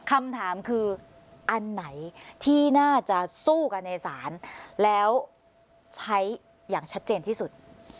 คำถามคืออันไหนที่น่าจะสู้กันในศาลแล้วใช้อย่างชัดเจนที่สุด